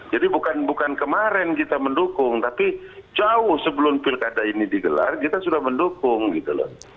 jadi bukan kemarin kita mendukung tapi jauh sebelum pilkada ini digelar kita sudah mendukung gitu loh